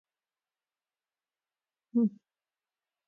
مظروفیت علاقه؛ مظروف ذکر سي او مراد ځني ظرف يي.